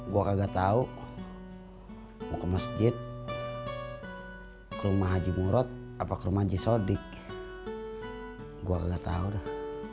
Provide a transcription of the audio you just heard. gua kagak tau mau ke masjid ke rumah haji murad apa ke rumah haji sodik gua kagak tau dah